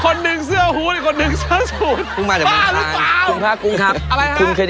คนหนึ่งเสื้อหู้ดอีกคนดึงเสื้อสูด